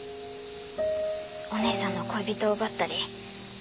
お姉さんの恋人を奪ったり。